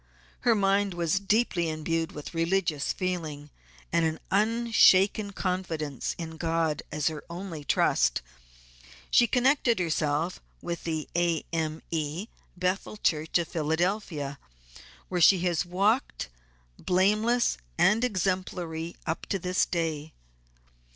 Her mind was deeply imbued with religious feeling, and an unshaken confidence in God as her only trust; she connected herself with the A.M.E. Bethel Church, of Philadelphia, where she has walked, blameless and exemplary up to this day.